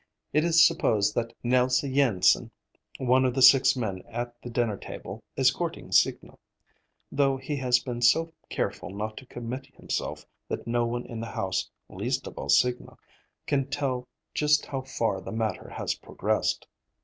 It is supposed that Nelse Jensen, one of the six men at the dinner table, is courting Signa, though he has been so careful not to commit himself that no one in the house, least of all Signa, can tell just how far the matter has progressed.